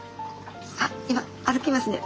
あっ今歩きますね。